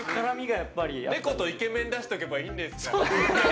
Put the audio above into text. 猫とイケメンを出しておけばいいんですから。